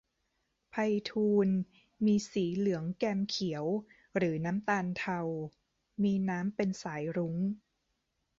ไพฑูรย์ มีสีเหลืองแกมเขียว หรือน้ำตาลเทา มีน้ำเป็นสายรุ้ง